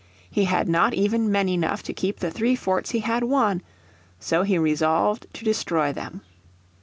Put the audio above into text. He had not even men enough to keep the three forts he had won. So he resolved to destroy them.